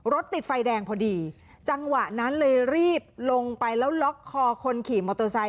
รถติดไฟแดงพอดีจังหวะนั้นเลยรีบลงไปแล้วล็อกคอคนขี่มอเตอร์ไซค